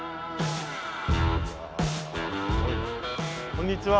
こんにちは。